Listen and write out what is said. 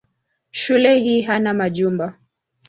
Shule hii hana majumba.